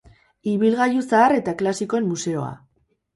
Ibilgailu zahar eta klasikoen museoa.